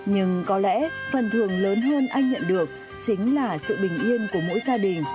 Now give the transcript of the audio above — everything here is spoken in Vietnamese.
nhưng có lẽ phần thường lớn hơn anh nhận được chính là sự bình yên của mỗi gia đình